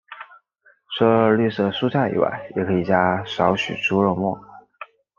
除了绿色蔬菜以外也可以加少许猪肉末。